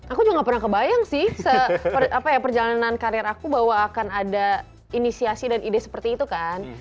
aku juga gak pernah kebayang sih perjalanan karir aku bahwa akan ada inisiasi dan ide seperti itu kan